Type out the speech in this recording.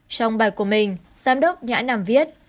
trong bài của mình giám đốc nhãn nam viết